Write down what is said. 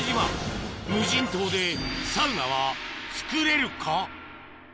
無人島でサウナは作れるか？